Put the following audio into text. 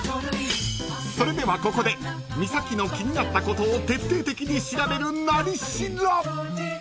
［それではここで三崎の気になったことを徹底的に調べる「なり調」］